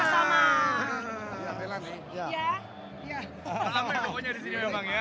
ampe pokoknya disini memang ya